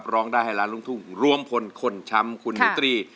ร้องได้ให้ร้านรุ่งทุ่มรวมผลคนช้ำคุณหนูตรี